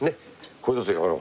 これですよほら。